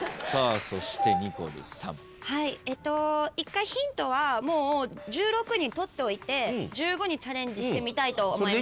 １回ヒントは１６に取っておいて１５にチャレンジしてみたいと思います。